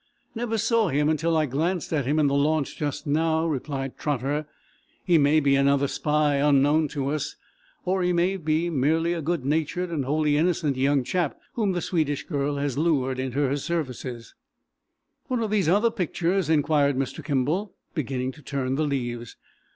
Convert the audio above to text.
"Never saw him until I glanced at him in the launch just now," replied Trotter. "He may be another spy, unknown to us, or he may be merely a good natured and wholly innocent young chap whom the Swedish girl has lured into her service." "What are these other pictures?" inquired Mr. Kimball, beginning to turn the leaves.